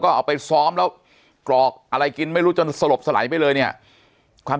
เอาไปซ้อมแล้วกรอกอะไรกินไม่รู้จนสลบสลายไปเลยเนี่ยความ